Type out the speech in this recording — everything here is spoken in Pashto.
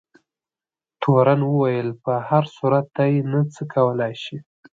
تورن وویل په هر صورت دی نه څه کولای شي.